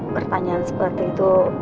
pertanyaan seperti itu